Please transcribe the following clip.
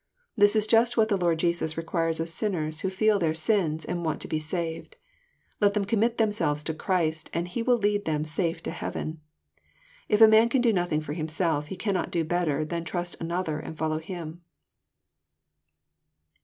This is just what the Lord Jesus requires of sinners who feel their sins and want to be saved. Let them commit themselves to Christ, and He will lead them safe to heaven. If a man can do nothing for himself, he cannot do better than trust another and follow him.